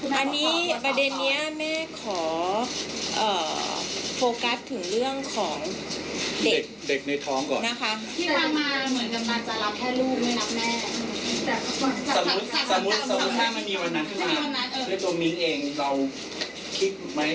แสดงว่าตอนนี้แม่ยังไม่เชื่อใครใช่ไหมท้าว่าเป็นลูกเด็กน้อง